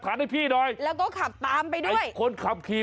แกเนี่ยน่ะตอนแรกเนี่ย